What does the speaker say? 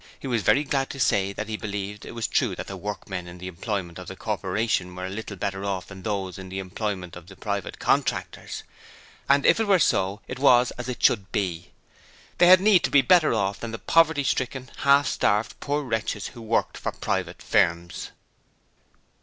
He was very glad to say that he believed it was true that the workmen in the employ of the Corporation were a little better off than those in the employ of private contractors, and if it were so, it was as it should be. They had need to be better off than the poverty stricken, half starved poor wretches who worked for private firms.